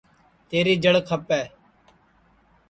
تیری جڑ کھپئے